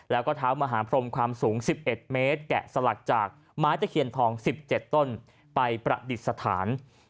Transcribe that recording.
แล้วก็เท้ามหาพรมความสูง๑๑เมตรแกะสลักจากไม้ตะเคียนทอง๑๗ต้นไปประดิษฐาน